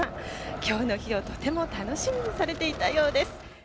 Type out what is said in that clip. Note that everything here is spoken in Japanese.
きょうの日をとても楽しみにされていたようです。